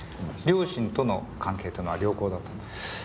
両親との関係っていうのは良好だったんですか？